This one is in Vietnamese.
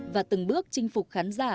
và từng bước chinh phục khán giả